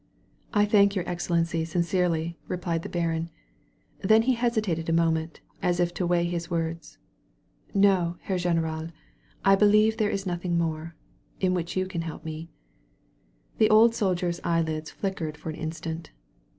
"I thank your Excellency sincerely," replied the baron. Then he hesitated a moment, as if to weigh his words. "No, Herr Generaly 1 believe there is nothing more — ^in which you can help me." The old soldier's eyelids flickered for an instant.